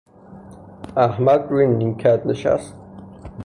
احمد روی نیمکت نشست.